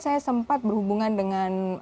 saya sempat berhubungan dengan